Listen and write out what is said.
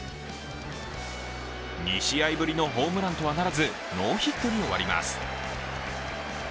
２試合ぶりのホームランとはならずノーヒットに終わります。